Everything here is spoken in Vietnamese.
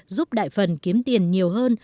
giúp đại phần kiếm tiền nhiều hơn